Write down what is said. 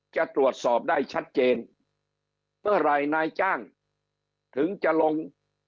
จะตรวจสอบได้ชัดเจนเมื่อไหร่นายจ้างถึงจะลง